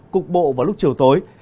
cục bộ vào lúc chiều tối